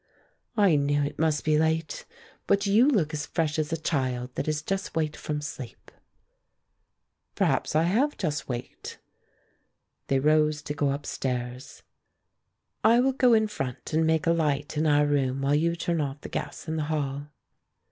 "I knew it must be late. But you look as fresh as a child that has just waked from sleep." "Perhaps I have just waked." They rose to go up stairs. "I will go in front and make a light in our room while you turn off the gas in the hall."